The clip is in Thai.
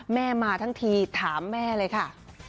แม่มาทั้งทีถามแม่เลยค่ะ